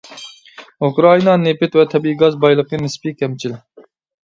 ئۇكرائىنا نېفىت ۋە تەبىئىي گاز بايلىقى نىسپىي كەمچىل.